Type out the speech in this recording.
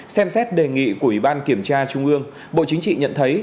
xem xét đề nghị của ủy ban kiểm tra trung ương bộ chính trị nhận thấy